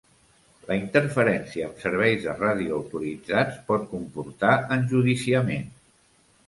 La interferència amb serveis de ràdio autoritzats pot comportar enjudiciament.